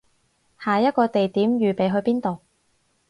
下一個地點預備去邊度